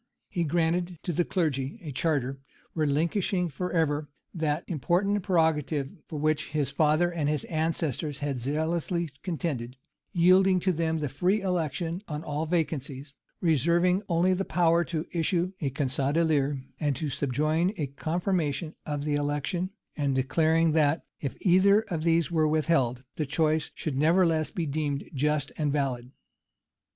He granted to the clergy a charter, relinquishing forever that important prerogative for which his father and all his ancestors had zealously contended; yielding to them the free election on all vacancies; reserving only the power to issue a conge d'élire and to subjoin a confirmation of the election; and declaring that, if either of these were withheld, the choice should nevertheless be deemed just and valid.